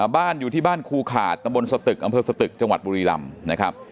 บ้านอยู่ที่บ้านครูขาดตำบลสตึกอำเภอสตึกจังหวัดบุรีรำนะครับ